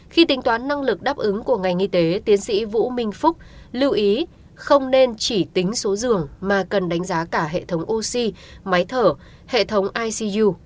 khi tính toán năng lực đáp ứng của ngành y tế tiến sĩ vũ minh phúc lưu ý không nên chỉ tính số giường mà cần đánh giá cả hệ thống oxy máy thở hệ thống icu